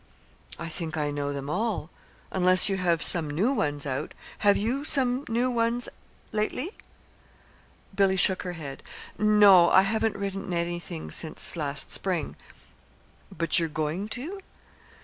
"I think I know them all unless you have some new ones out. Have you some new ones, lately?" Billy shook her head. "No; I haven't written anything since last spring." "But you're going to?"